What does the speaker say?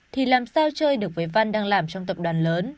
thì làm sao chơi được với văn đang làm trong tập đoàn lớn